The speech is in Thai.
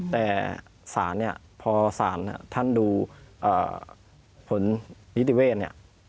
แต่ศาลพอศาลท่านดูผลนิติเวทย์